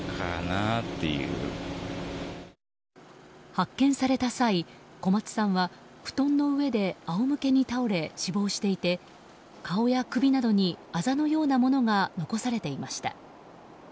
発見された際、小松さんは布団の上で仰向けに倒れ死亡していて、顔や首などにあざのようなものが残されていました。